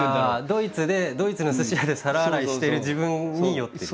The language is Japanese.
ドイツでドイツの寿司屋で皿洗いしてる自分に酔ってる。